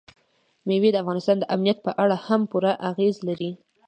مېوې د افغانستان د امنیت په اړه هم پوره اغېز لري.